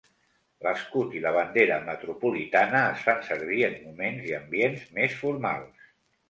L'escut i la bandera metropolitana es fan servir en moments i ambients més formals.